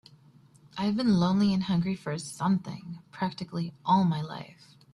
I've been lonely and hungry for something practically all my life.